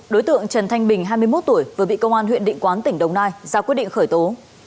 đối tượng trần thanh bình hai mươi một tuổi vừa bị công an huyện định quán tỉnh đồng nai ra quyết định khởi tố